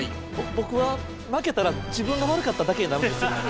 僕は負けたら自分が悪かっただけになるんですよ。